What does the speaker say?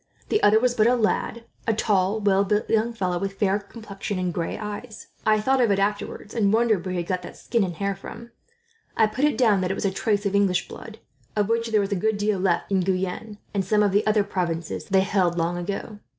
The other was but a lad a tall, well built young fellow, with fair complexion and gray eyes. I thought of it afterwards, and wondered where he got that skin and hair from. I put it down that it was a trace of English blood, of which there is a good deal still left in Guyenne, and some of the other provinces they held, long ago."